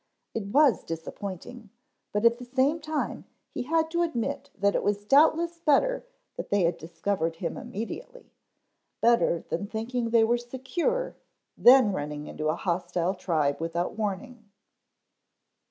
It was disappointing, but at the same time he had to admit that it was doubtless better that they had discovered him immediately; better than thinking they were secure then running into a hostile tribe without warning.